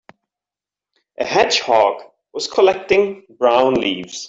A hedgehog was collecting brown leaves.